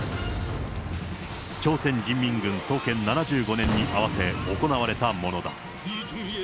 朝鮮人民軍創建７５年に合わせ行われたものだ。